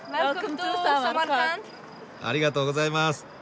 ありがとうございます。